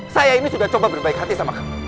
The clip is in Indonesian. saya ini sudah coba berbaik hati sama kamu